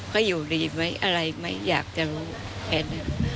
เขาอยู่ดีไหมอะไรไหมอยากจะรู้แค่นั้น